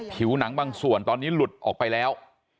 ผิวหนังบางส่วนตอนนี้หลุดออกไปแล้ว